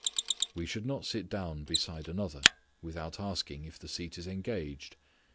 We should not sit down beside another without asking if the seat is engaged.